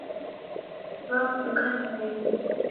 Waw'uduka kiw'iw'i.